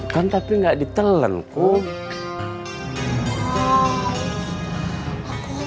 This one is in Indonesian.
kan tapi tidak ditelan kum